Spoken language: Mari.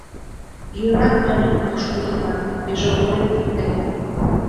— Йӧра, маньым, пошкудо-влак, межовойым пуртем.